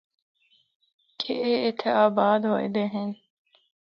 کہ اے اِتّھا آباد ہوئے دے ہن۔